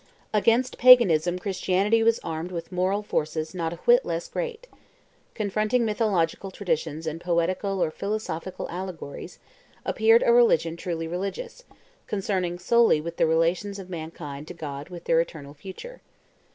Against Paganism Christianity was armed with moral forces not a whit less great. Confronting mythological traditions and poetical or philosophical allegories, appeared a religion truly religious, concerned solely with the relations of mankind to God and with their eternal future.